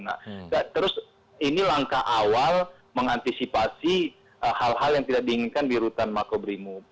nah terus ini langkah awal mengantisipasi hal hal yang tidak diinginkan di rutan makobrimob